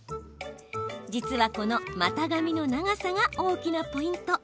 実は、この股上の長さが大きなポイント。